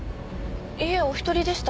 いえお一人でした。